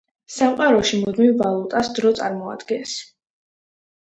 სამყაროში მუდმივ ვალუტას დრო წარმოადგენს.